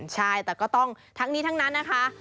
ใช่แต่ก็ต้องทั้งนี้ทั้งนั้นนะคะ